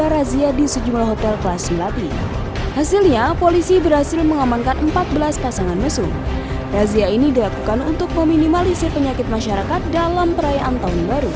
razia di sejumlah hotel kelas melati hasilnya polisi berhasil mengamankan empat belas pasangan mesum razia ini dilakukan untuk meminimalisir penyakit masyarakat dalam perayaan tahun baru